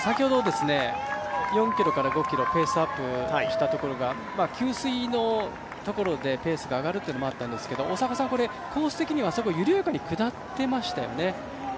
先ほど４５ｋｍペースアップしたところが給水のところで、ペースが上がるっていうのもあったんですけどコース的には緩やかに下ってましたよね。